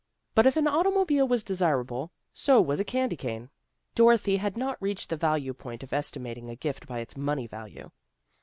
But if an automobile was desirable, so was a candy cane. Dorothy had not reached the point of estimating a gift by its money value.